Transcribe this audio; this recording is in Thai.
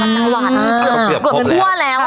ก็เกือบ๖แล้ว